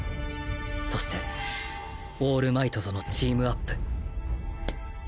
そしてオールマイトとのチームアップ